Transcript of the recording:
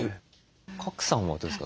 賀来さんはどうですか？